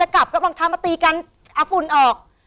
กลับมาคามาตีกันอะฝึนออก